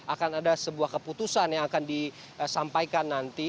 akan ada sebuah keputusan yang akan disampaikan nanti